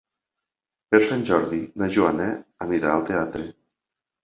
Per Sant Jordi na Joana anirà al teatre.